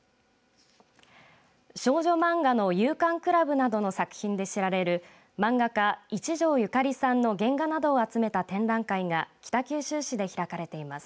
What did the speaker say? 少女漫画の有閑倶楽部などの作品で知られる漫画家、一条ゆかりさんの原画などを集めた展覧会が北九州市で開かれています。